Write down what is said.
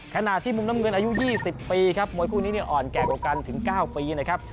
ขณะที่มุมน้ำเงินอายุ๒๐ปีครับมวยคู่นี้เนี่ยอ่อนแก่กว่ากันถึง๙ปีนะครับ